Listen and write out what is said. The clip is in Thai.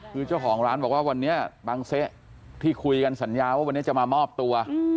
คือเจ้าของร้านบอกว่าวันนี้บางเซะที่คุยกันสัญญาว่าวันนี้จะมามอบตัว